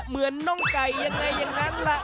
เหมือนน้องไก่ยังไงอย่างนั้นล่ะ